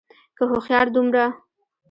که هوښيار دومره